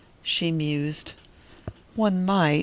She mused. "One might...